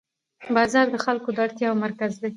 بازار د خلکو د اړتیاوو مرکز دی